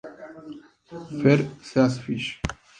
Far Seas Fish.